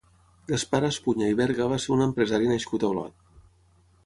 Gaspar Espuña i Berga va ser un empresari nascut a Olot.